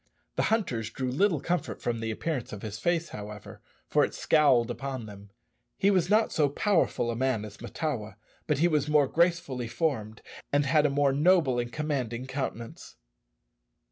The hunters drew little comfort from the appearance of his face, however, for it scowled upon them. He was not so powerful a man as Mahtawa, but he was more gracefully formed, and had a more noble and commanding countenance.